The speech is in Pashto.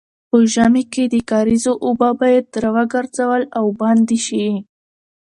په ژمي کې د کاریزو اوبه باید راوګرځول او بندې شي.